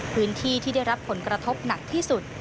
พื้นที่ที่ได้รับผลกระทบหนักที่สุด